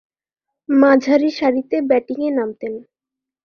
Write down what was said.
মাঝারিসারিতে ব্যাটিংয়ে নামতেন।